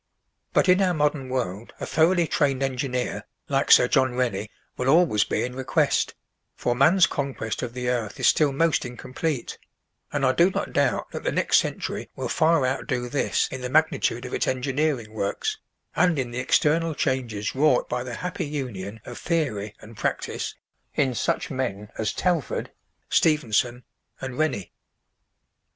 But in our modern world a thoroughly trained engineer, like Sir John Rennie, will always be in request; for man's conquest of the earth is still most incomplete; and I do not doubt that the next century will far outdo this in the magnitude of its engineering works, and in the external changes wrought by the happy union of theory and practice in such men as Telford, Stephenson, and Rennie.